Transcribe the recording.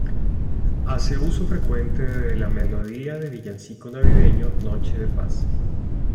Hace uso frecuente de la melodía del villancico navideño, "Noche de paz".